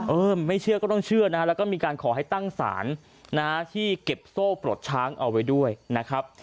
เออไม่เชื่อก็ต้องเชื่อนะฮะแล้วก็มีการขอให้ตั้งศาลนะที่เก็บโซ่ปลดช้างเอาไว้ด้วยนะครับ